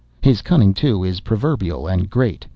His cunning, too, is proverbial and great.